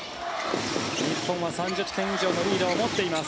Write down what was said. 日本は３０点以上のリードを持っています。